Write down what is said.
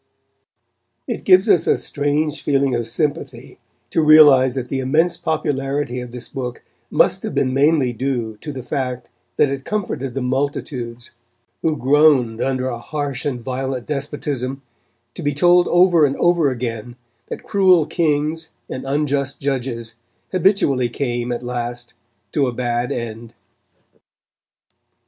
It gives us a strange feeling of sympathy to realise that the immense popularity of this book must have been mainly due to the fact that it comforted the multitudes who groaned under a harsh and violent despotism to be told over and over again that cruel kings and unjust judges habitually came at last to a bad end.